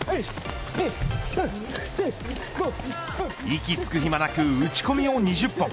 息つく暇なく打ち込みを２０本。